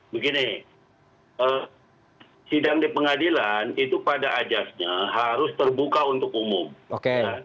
begini sidang di pengadilan itu pada ajasnya harus terbuka untuk umum